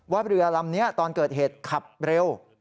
เรือลำนี้ตอนเกิดเหตุขับเร็ว